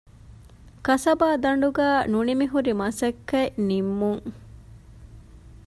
ކަސަބާދަނޑުގައި ނުނިމިހުރި މަސައްކަތް ނިންމުން